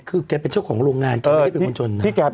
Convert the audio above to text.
คือแกเป็นเจ้าของโรงงานแกไม่ได้เป็นคนจนนะ